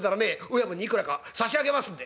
親分にいくらか差し上げますんで」。